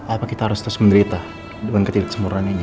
apa kita harus terus menderita dengan ketidaksempurnaannya